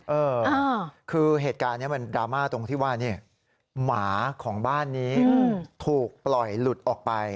เออคือเหตุการณ์นี้มันดราม่าตรงที่ว่านี่หมาของบ้านนี้ถูกปล่อยหลุดออกไป